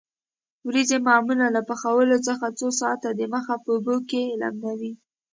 وریجې معمولاً له پخولو څخه څو ساعته د مخه په اوبو کې لمدوي.